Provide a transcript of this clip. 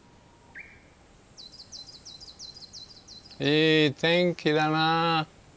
いい天気だな。